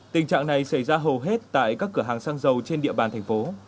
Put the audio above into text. tình trạng này xảy ra hầu hết tại các cửa hàng xăng dầu trên địa bàn thành phố